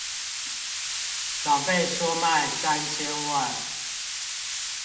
長輩說賣三千萬